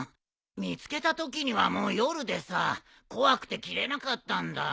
見つけたときにはもう夜でさ怖くて切れなかったんだ。